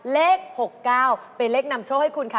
เลข๖๙เป็นเลขนำโชคให้คุณค่ะ